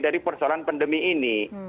dari persoalan pandemi ini